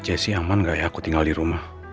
jessi aman gak ya aku tinggal di rumah